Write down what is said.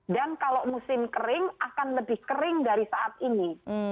dan kalau musim kering akan lebih kering dari saat ini